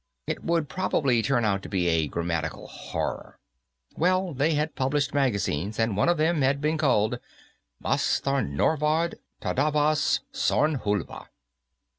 It would probably turn out to be a grammatical horror. Well, they had published magazines, and one of them had been called Mastharnorvod Tadavas Sornhulva.